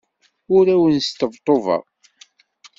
Ur awen-sṭebṭubeɣ.